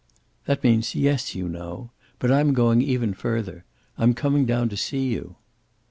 "That means yes, you know. But I'm going even further. I'm coming down to see you."